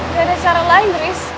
gak ada cara lain risk